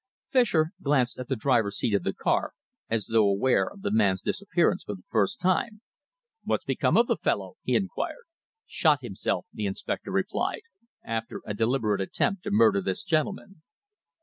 Fischer glanced at the driver's seat of the car, as though aware of the man's disappearance for the first time. "What's become of the fellow?" he inquired. "Shot himself," the inspector replied, "after a deliberate attempt to murder this gentleman."